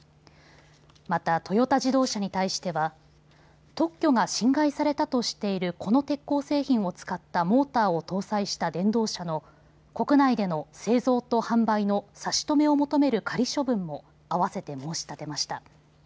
またトヨタ自動車に対しては特許が侵害されたとしているこの鉄鋼製品を使ったモーターを搭載した電動車の国内での製造と販売の差し止めを求める仮処分も合わせて申し立てました。